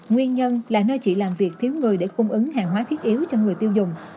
nguyên nhân là nơi chị làm việc thiếu người để cung ứng hàng hóa thiết yếu cho người tiêu dùng